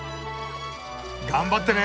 頑張ってね！